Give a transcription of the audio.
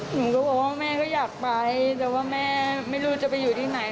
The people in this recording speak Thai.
หนูก็บอกว่าแม่ก็อยากไปแต่ว่าแม่ไม่รู้จะไปอยู่ที่ไหน